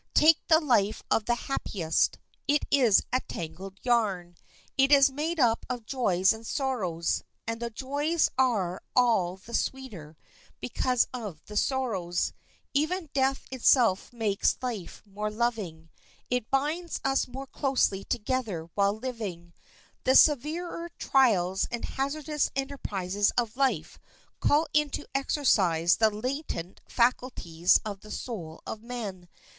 Take the life of the happiest. It is a tangled yarn. It is made up of joys and sorrows, and the joys are all the sweeter because of the sorrows. Even death itself makes life more loving; it binds us more closely together while living. The severer trials and hazardous enterprises of life call into exercise the latent faculties of the soul of man.